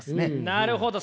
なるほど。